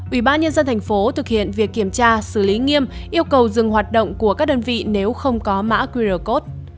ubnd tp thực hiện việc kiểm tra xử lý nghiêm yêu cầu dừng hoạt động của các đơn vị nếu không có mã qr code